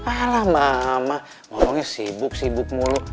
alah mama ngomongnya sibuk sibuk mulu